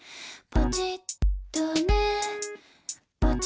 「ポチッとね」